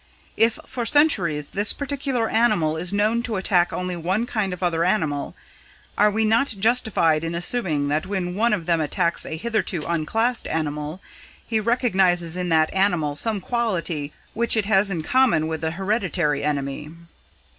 If for centuries, this particular animal is known to attack only one kind of other animal, are we not justified in assuming that when one of them attacks a hitherto unclassed animal, he recognises in that animal some quality which it has in common with the hereditary enemy?"